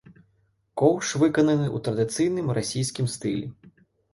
Коўш выкананы ў традыцыйным расійскім стылі.